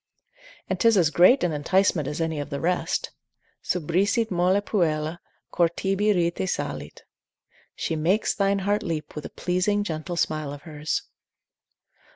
And 'tis as great an enticement as any of the rest, ———subrisit molle puella, Cor tibi rite salit. She makes thine heart leap with a pleasing gentle smile of hers.